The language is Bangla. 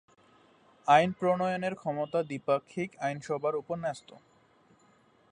আইন প্রণয়নের ক্ষমতা দ্বিপাক্ষিক আইনসভার উপর ন্যস্ত।